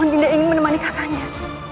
mohon dinda ingin menemani kakaknya